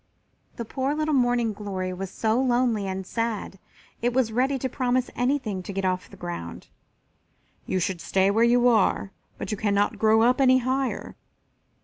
The poor little Morning glory was so lonely and sad it was ready to promise anything to get off the ground. "You should stay where you are, but you cannot grow up any higher.